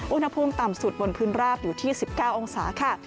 อุณหภูมิต่ำสุดบนพื้นราบอยู่ที่๑๙องศาค่ะ